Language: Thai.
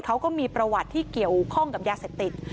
เขาก็มีประวัติที่เกี่ยวข้องกับยาเสพติด